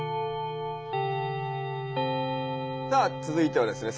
さあ続いてはですね